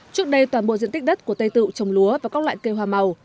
trước đây toàn bộ diện tích đất của tây tự trồng lúa và các loại cây hoa màu